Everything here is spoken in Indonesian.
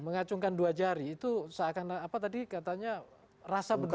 mengacungkan dua jari itu seakan apa tadi katanya rasa begini